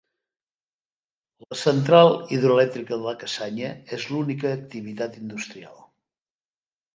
La central hidroelèctrica de la Cassanya és l'única activitat industrial.